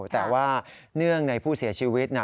แต่ว่าเนื่องในผู้เสียชีวิตนะ